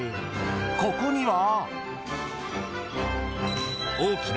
［ここには］